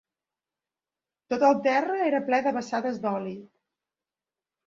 Tot el terra era ple de vessades d'oli.